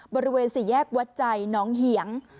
บริเวณสี่แยกวัดใจน้องเหียง